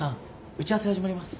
打ち合わせ始まります。